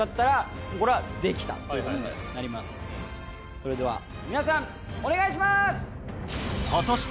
それでは皆さんお願いします！